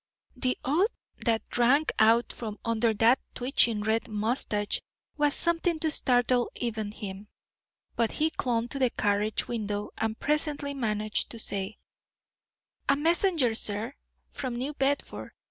The oath that rang out from under that twitching red moustache was something to startle even him. But he clung to the carriage window and presently managed to say: "A messenger, sir, from New Bedford.